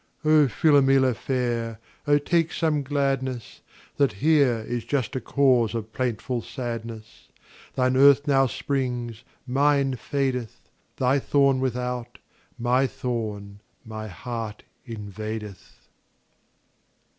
20 O Philomela fair, O take some gladness That here is juster cause of plaintful sadness! Thine earth now springs, mine fadeth; Thy thorn without, my thorn my heart invadeth.